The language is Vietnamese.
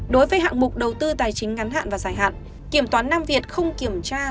đối với hạng mục đầu tư tài chính ngắn hạn và dài hạn kiểm toán nam việt không kiểm tra